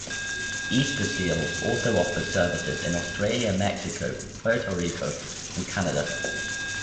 Easterseals also offers services in Australia, Mexico, Puerto Rico and Canada.